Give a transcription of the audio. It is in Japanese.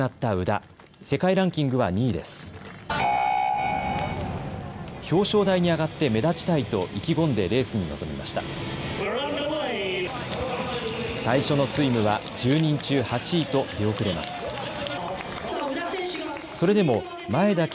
最初のスイムは１０人中８位と出遅れます。